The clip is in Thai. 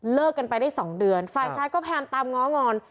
เลิกกันไปได้๒เดือนฝ่ายชาติก็แผนตามง้องอ่อน